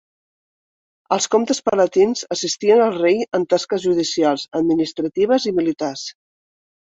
Els comtes palatins assistien el rei en tasques judicials, administratives i militars.